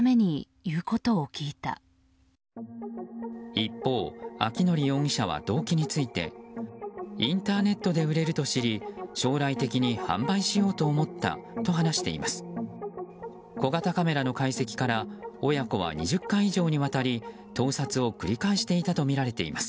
一方、明範容疑者は動機についてインターネットで売れると知り将来的に販売しようと思ったと話しています。